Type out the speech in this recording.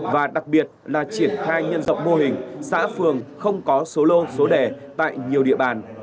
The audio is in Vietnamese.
và đặc biệt là triển khai nhân rộng mô hình xã phường không có số lô số đề tại nhiều địa bàn